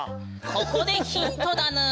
ここでヒントだぬん。